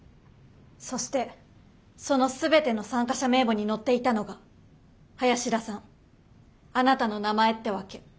そしてその全ての参加者名簿に載っていたのが林田さんあなたの名前ってわけ。